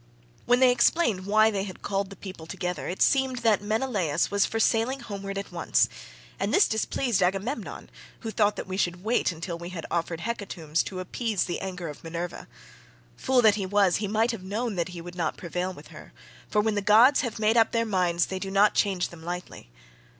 When they explained why they had called the people together, it seemed that Menelaus was for sailing homeward at once, and this displeased Agamemnon, who thought that we should wait till we had offered hecatombs to appease the anger of Minerva. Fool that he was, he might have known that he would not prevail with her, for when the gods have made up their minds they do not change them lightly.